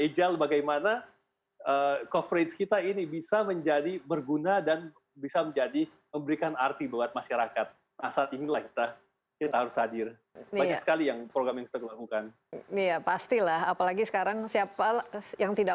cepat saja sebelum kita